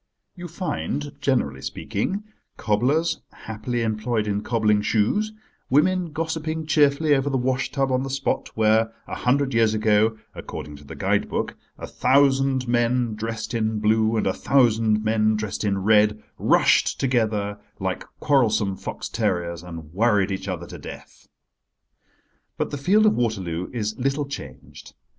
You find, generally speaking, cobblers happily employed in cobbling shoes, women gossipping cheerfully over the washtub on the spot where a hundred years ago, according to the guide book, a thousand men dressed in blue and a thousand men dressed in red rushed together like quarrelsome fox terriers, and worried each other to death. But the field of Waterloo is little changed.